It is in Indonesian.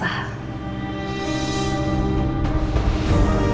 yang terpenting saat ini